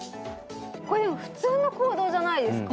これでも普通の行動じゃないですか？